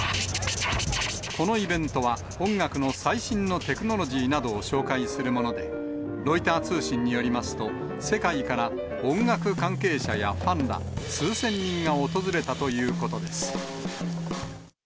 このイベントは、音楽の最新のテクノロジーなどを紹介するもので、ロイター通信によりますと、世界から音楽関係者やファンら数千人が訪れたということです。